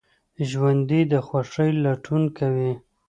ژوندي د خوښۍ لټون کوي